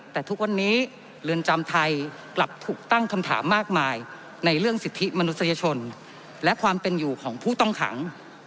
แต่ทุกวันนี้เรือนจำไทยกลับถูกตั้งคำถามมากมายในเรื่องสิทธิมนุษยชนและความเป็นอยู่ของผู้ต้องขัง